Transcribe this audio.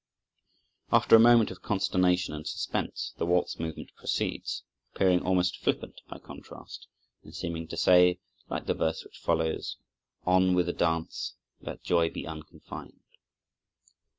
After a moment of consternation and suspense, the waltz movement proceeds, appearing almost flippant by contrast, and seeming to say, like the verse which follows, "On with the dance, let joy be unconfined!"